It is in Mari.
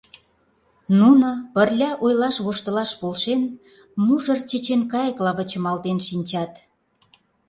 Нуно, пырля ойлаш-воштылаш полшен, мужыр чечен кайыкла вычымалтен шинчат.